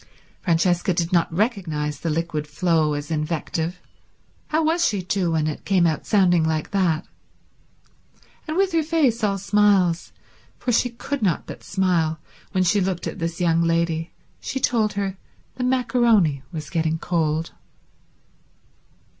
Francesca did not recognize the liquid flow as invective; how was she to, when it came out sounding like that? And with her face all smiles, for she could not but smile when she looked at this young lady, she told her the maccaroni was getting cold.